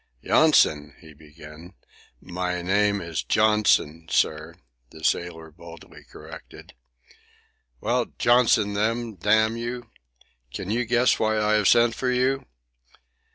"Yonson," he began. "My name is Johnson, sir," the sailor boldly corrected. "Well, Johnson, then, damn you! Can you guess why I have sent for you?"